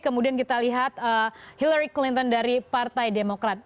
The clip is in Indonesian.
kemudian kita lihat hillary clinton dari partai demokrat